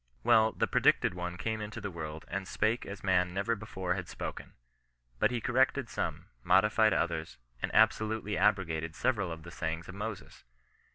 Well, the predicted one came into the world and spake as man never before had spoken. But he corrected some, modified others, and absolutely abrogated several of the sayings of Moses.